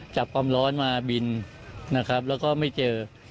จับความร้อนมาบินนะครับแล้วก็ไม่เจอ